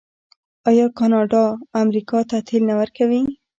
آیا کاناډا امریکا ته تیل نه ورکوي؟